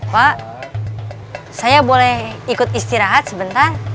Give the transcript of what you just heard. pak saya boleh ikut istirahat sebentar